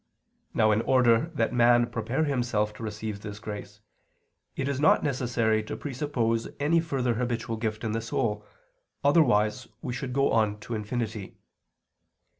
Now in order that man prepare himself to receive this gift, it is not necessary to presuppose any further habitual gift in the soul, otherwise we should go on to infinity.